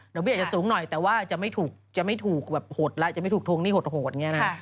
เดี๋ยวมีอาจจะสูงหน่อยแต่ว่าจะไม่ถูกโถงหนี้หดอย่างนี้นะ